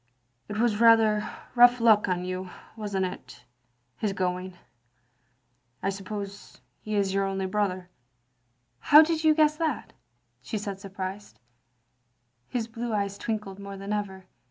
It was rather rough luck on you, was n't it, his going? I suppose he is yotir only brother. "" How did you guess that? " she said, surprised. His blue eyes twinkled more than ever.